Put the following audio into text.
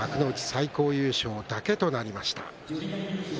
最高優勝だけとなりました。